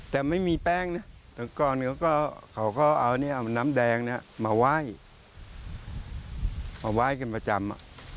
แต่ไม่มีแป้งนะตอนก่อนเขาก็เอาน้ำแดงมาไหว้มาไหว้กันประจำ